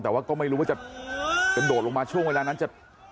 แต่ว่าก็ไม่รู้ว่าจะกระโดดลงมาช่วงเวลานั้นจะ